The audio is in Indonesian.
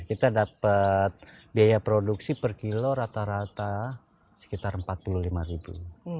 kita dapat biaya produksi per kilo rata rata sekitar empat puluh lima ribu